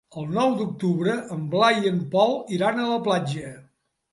El nou d'octubre en Blai i en Pol iran a la platja.